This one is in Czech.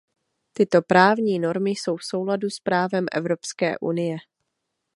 Tyto právní normy jsou v souladu s právem Evropské unie.